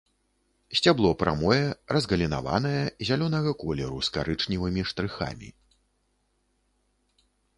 Сцябло прамое, разгалінаванае, зялёнага колеру з карычневымі штрыхамі.